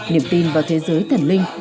niềm tin vào thế giới thần linh